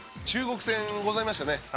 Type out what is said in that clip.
中国戦ございましたね。